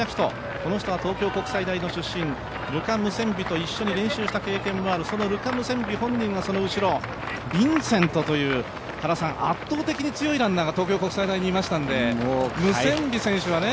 この人は東京国際大の出身、ルカ・ムセンビと一緒に練習した経験もある、そのルカ・ムセンビ本人がその後ろ、ヴィンセントという圧倒的に強い選手が東京国際大にいましたのでムセンビ選手はね。